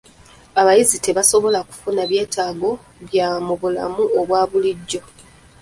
Abayizi tebasobola kufuna byetaago bya mu bulamu obwa bulijjo.